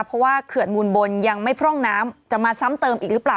เพราะว่าเขื่อนมูลบนยังไม่พร่องน้ำจะมาซ้ำเติมอีกหรือเปล่า